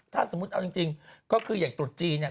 ถ้าสมมุติเอาจริงก็คืออย่างตรุษจีนเนี่ย